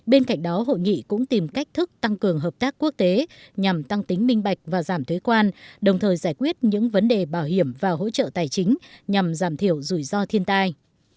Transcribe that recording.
bên cạnh đó hội nghị cũng tìm cách thức tăng cường hợp tác quốc tế nhằm tăng tính minh bạch và giảm thuế quan đồng thời giải quyết những vấn đề bảo hiểm và hỗ trợ tài chính nhằm giảm thiểu rủi ro thiên tai